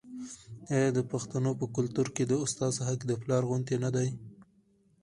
آیا د پښتنو په کلتور کې د استاد حق د پلار غوندې نه دی؟